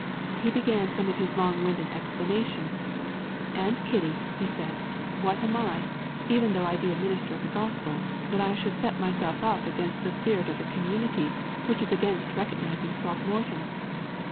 He began some of his long winded explanations. 'Aunt Kitty,' he said, 'what am I, even though I be a minister of the gospel, that I should set myself up against the spirit of the community, which is against recognizing Throckmorton?'